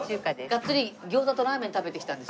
がっつり餃子とラーメン食べてきたんです。